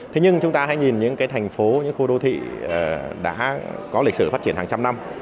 thế nhưng chúng ta hãy nhìn những cái thành phố những khu đô thị đã có lịch sử phát triển hàng trăm năm